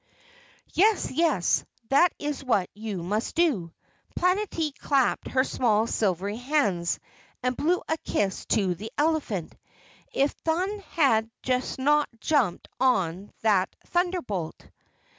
"Yes, yes, that is what you must do," Planetty clapped her small silvery hands and blew a kiss to the elephant. "If Thun had just not jumped on that thunderbolt!"